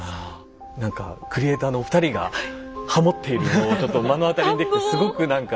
何かクリエイターのお二人がハモっているのをちょっと目の当たりにできてすごく何か。